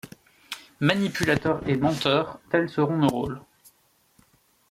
Manipulateurs et menteurs, tels seront nos rôles.